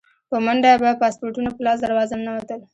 په منډه به پاسپورټونه په لاس دروازه ننوتل.